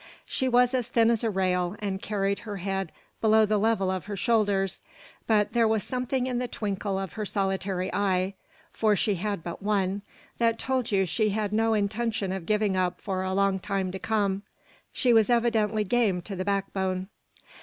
She was as thin as a rail, and carried her head below the level of her shoulders; but there was something in the twinkle of her solitary eye (for she had but one), that told you she had no intention of giving up for a long time to come. She was evidently game to the backbone.